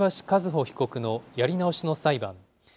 和歩被告のやり直しの裁判。